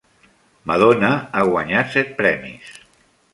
Madonna ha guanyat set premis.